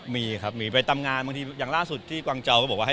มีครับมีไปตามงานบางทีอย่างล่าสุดที่กวางเจ้าก็บอกว่าให้